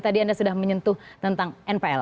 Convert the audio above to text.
tadi anda sudah menyentuh tentang npl